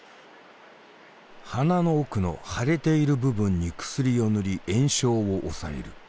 鼻の奥の腫れている部分に薬を塗り炎症を抑える。